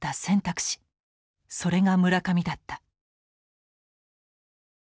それが村上だった。